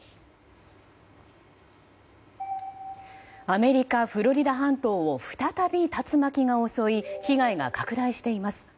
アメリカ・フロリダ半島を再び竜巻が襲い被害が拡大しています。